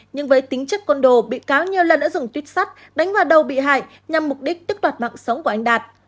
nhưng với tính chất côn đồ bị cáo nhiều lần đã dùng tuyếp sắt đánh vào đầu bị hại nhằm mục đích tức đoạt mạng sống của anh đạt